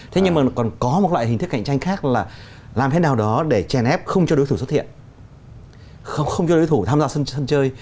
thế nhưng mà còn có một loại hình thức cạnh tranh khác là làm thế nào đó để chèn ép không cho đối thủ xuất hiện không cho đối thủ tham gia sân chơi